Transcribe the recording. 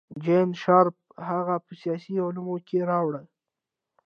جین شارپ هغه په سیاسي علومو کې راوړه.